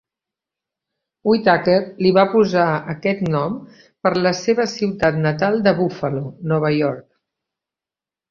Whittacker li va posar aquest nom per la seva ciutat natal de Buffalo, Nova York.